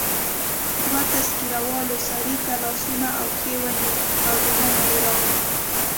دوو تذکره والاو سړی تر لاسو او پښو ونیو او دننه يې راوړ.